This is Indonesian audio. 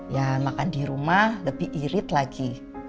ya makan di rumah lebih irit lagi